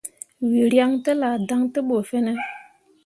Wǝ ryaŋ tellah dan te ɓu fine ?